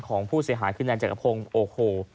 ของผู้เสียหายขึ้นในจักรพงษ์โอโค